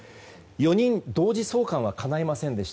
４人同時送還はかないませんでした。